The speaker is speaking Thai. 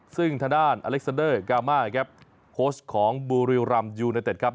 ซึ่งทางด้านอเล็กซาเดอร์กามาร์ครับโฮชของบูรรามยูนาเต็ดครับ